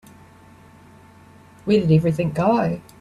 Where did everything go?